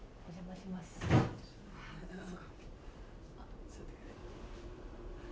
どうぞ。